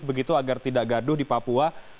begitu agar tidak gaduh di papua